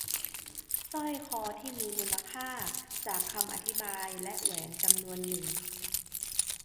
สร้อยคอที่มีมูลค่า จากคำอธิบายและแหวนจำนวนหนึ่ง